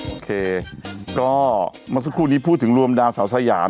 โอเคก็เมื่อสักครู่นี้พูดถึงรวมดาวสาวสยาม